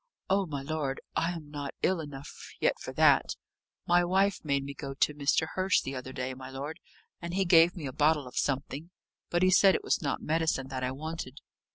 "Oh, my lord, I am not ill enough yet for that. My wife made me go to Mr. Hurst the other day, my lord, and he gave me a bottle of something. But he said it was not medicine that I wanted."